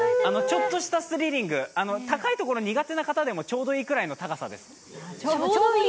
ちょっとしたスリリング、高いところ苦手な人でもちょうどいいくらいの高さです。